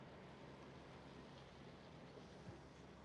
Viazi nne vya ukubwa wa kati vitatosha kupikia pilau